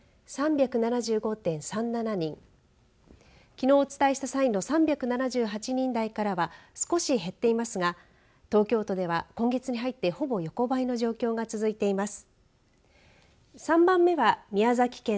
きのうお伝えした際の３７８人台からは少し減っていますが東京都では今月に入ってほぼ横ばいの状況が続いています。